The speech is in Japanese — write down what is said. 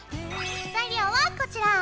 材料はこちら。